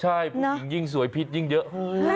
ใช่ผู้หญิงยิ่งสวยพิษยิ่งเยอะ